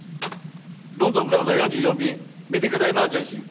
ロンドンからの４４便メディカルエマージェンシー。